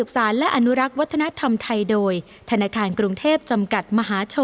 สำหรับสำหรับคนร่วม